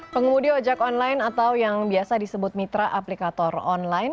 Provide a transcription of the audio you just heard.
pengemudi ojek online atau yang biasa disebut mitra aplikator online